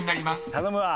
頼むわ。